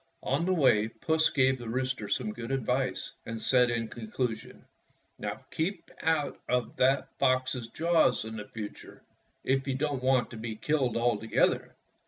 On the way Puss gave the rooster some good advice, and said in conclusion, "Now, keep out of that fox's jaws in future, if you don't want to be killed altogether."